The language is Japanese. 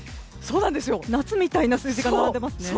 夏みたいな数字が並んでいますね！